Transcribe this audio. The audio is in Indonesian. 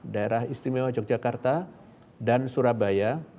daerah istimewa yogyakarta dan surabaya